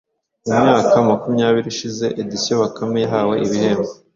Mu myaka makumyabiri ishize, Editions Bakame yahawe ibihembo